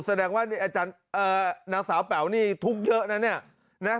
แสดงว่านี่อาจารย์นางสาวแป๋วนี่ทุกข์เยอะนะเนี่ยนะ